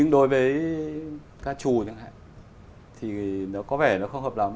đối với ca chùa chẳng hạn thì nó có vẻ nó không hợp lắm